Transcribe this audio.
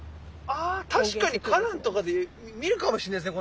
あ確かに花壇とかで見るかもしれないですね